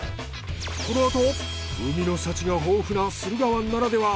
この後海の幸が豊富な駿河湾ならでは！